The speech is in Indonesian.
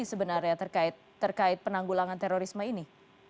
sebenarnya terkait penanggulangan terorisme ini